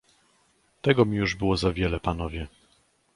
"Tego mi było już za wiele, panowie!"